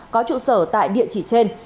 có trụ sở tại địa chỉ trên